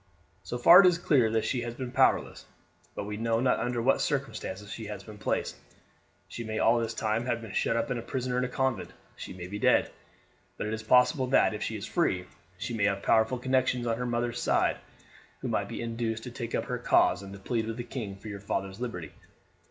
"So far it is clear that she has been powerless; but we know not under what circumstances she has been placed. She may all this time have been shut up a prisoner in a convent; she may be dead; but it is possible that, if she is free, she may have powerful connections on her mother's side, who might be induced to take up her cause and to plead with the king for your father's liberty.